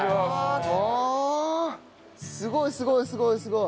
すごいすごいすごいすごい。